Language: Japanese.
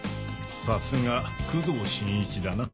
さすが工藤新一だな。